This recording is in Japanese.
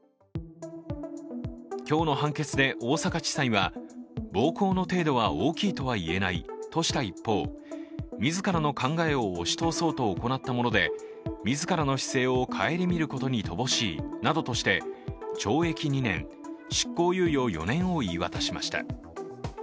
今日の判決で大阪地裁は暴行の程度は大きいとはいえないとした一方、自らの考えを押し通そうと行ったもので、自らの姿勢を省みることに乏しいなどとして懲役２年、執行猶予４年を言い渡しました。